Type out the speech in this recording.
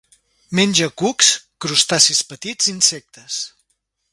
Menja cucs, crustacis petits i insectes.